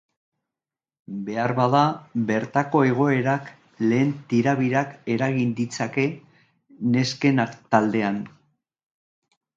Beharbada, bertako egoerak lehen tirabirak eragin ditzake nesken taldean.